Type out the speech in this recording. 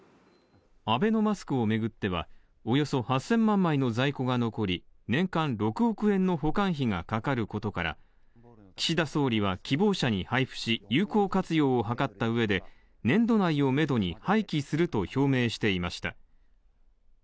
アベノマスクをめぐっては、およそ８０００万枚の在庫が残り、年間６億円の保管費がかかることから、岸田総理は希望者に配布し有効活用を図った上で、年度内をメドに廃棄すると表明していました。